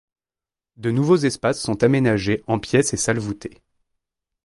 De nouveaux espaces sont aménagés en pièces et salles voûtées.